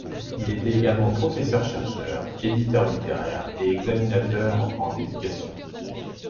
Il était également professeur, chercheur, éditeur littéraire et examinateur en éducation.